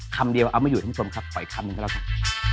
คำเดียวเอามาอยู่ทั้งสองครับปล่อยคำนึงก็แล้วกัน